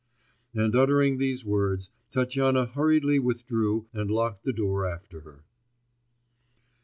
And uttering these words, Tatyana hurriedly withdrew and locked the door after her.